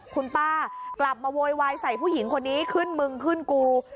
คุณป้ากลับมาโวยวายใส่ผู้หญิงคนนี้ขึ้นมึงขึ้นกู